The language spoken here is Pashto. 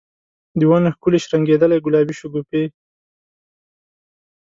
د ونو ښکلي شرنګیدلي ګلابې شګوفي